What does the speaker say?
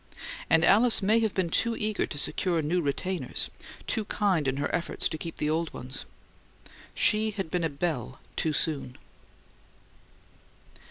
And Alice may have been too eager to secure new retainers, too kind in her efforts to keep the old ones. She had been a belle too soon.